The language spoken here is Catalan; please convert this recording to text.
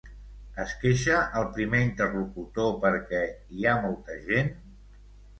Es queixa el primer interlocutor perquè hi ha molta gent?